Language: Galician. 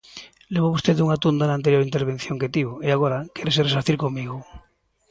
Levou vostede unha tunda na anterior intervención que tivo, e agora quérese resarcir comigo.